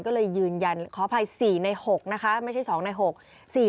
ก็เลยยืนยันขออภัย๔ใน๖นะคะไม่ใช่๒ใน๖๔